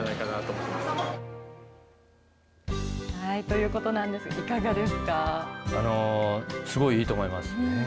ということなんですが、すごいいいと思います。